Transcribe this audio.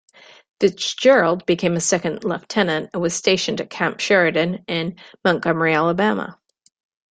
Fitzgerald became a second lieutenant, and was stationed at Camp Sheridan, in Montgomery, Alabama.